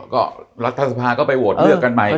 ก็รัฐสภาก็ไปโหวตเลือกกันใหม่